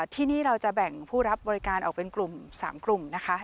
ที่นี่เราจะแบ่งผู้รับบริการออกเป็นกลุ่ม๓กลุ่มนะคะ